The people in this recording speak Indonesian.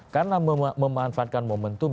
karena memanfaatkan momentum